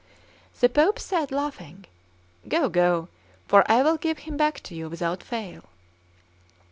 The Pope said, laughing: "Go, go; for I will give him back to you without fail."